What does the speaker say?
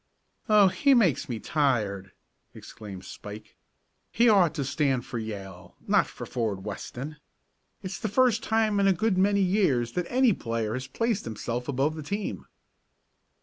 "Oh, he makes me tired!" exclaimed Spike. "He ought to stand for Yale not for Ford Weston. It's the first time in a good many years that any player has placed himself above the team."